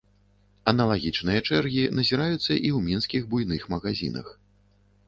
Аналагічныя чэргі назіраюцца і ў мінскіх буйных магазінах.